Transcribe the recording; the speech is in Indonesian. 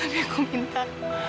tapi aku minta